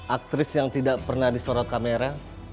aktris yang tidak pernah disorot kamera